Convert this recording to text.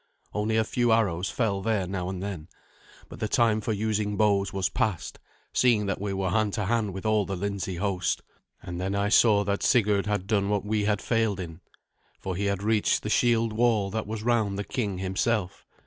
Only a few arrows fell there now and then; but the time for using bows was past, seeing that we were hand to hand with all the Lindsey host. And then I saw that Sigurd had done what we had failed in, for he had reached the shield wall that was round the king himself.